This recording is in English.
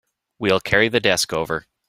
We'll carry the desk over.